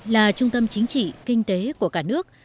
là trung tâm chính trị kinh tế của cả nước